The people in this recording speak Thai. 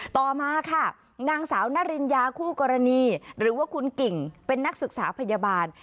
ต่อมาค่ะนางสาวนริญญาคู่กรณีหรือว่าคุณกิ่งเป็นนักศึกษาพยาบาล